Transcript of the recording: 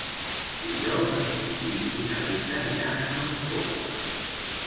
Dijous en Quintí i na Rita iran a Moncofa.